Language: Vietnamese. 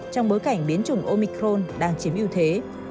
trong bối cảnh biến chủng omicron đang chiếm ưu thế